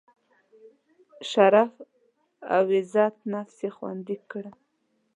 شرف او عزت نفس یې خوندي کړم.